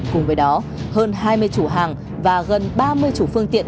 cùng với đó hơn hai mươi chủ hàng và gần ba mươi chủ phương tiện